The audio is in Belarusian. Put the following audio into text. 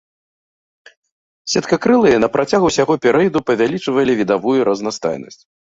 Сеткакрылыя на працягу ўсяго перыяду павялічвалі відавую разнастайнасць.